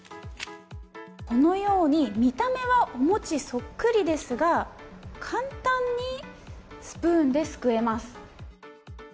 このように見た目はお餅そっくりですが簡単にスプーンですくえます。